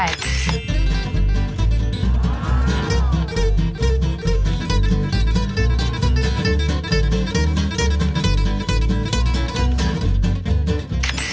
อร่อยมากค่ะ